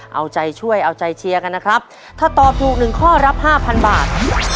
เอาใจช่วยเอาใจเชียร์กันนะครับถ้าตอบถูกหนึ่งข้อรับ๕๐๐บาท